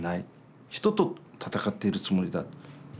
人と闘っているつもりだ。